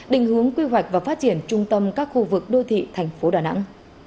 định hướng quy hoạch và phát triển trung tâm các khu vực đô thị thành phố đà nẵng